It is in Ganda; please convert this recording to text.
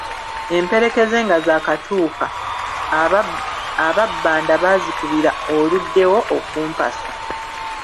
Emperekeze nga zaakatuuka, aba bbanda baazikubira 'Oluddewo okumpasa!